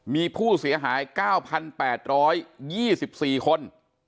มีผู้เสียหาย๙๘๒๔คน